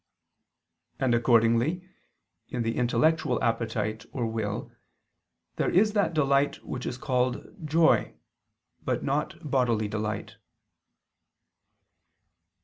And accordingly in the intellectual appetite or will there is that delight which is called joy, but not bodily delight.